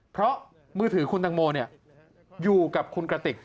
เพราะมือถือคุณตังโมอยู่กับคุณกระติก